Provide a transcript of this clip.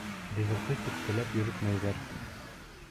Ризыҡты типкеләп йөрөтмәйҙәр.